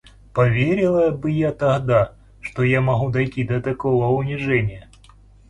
Поверила ли бы я тогда, что я могу дойти до такого унижения?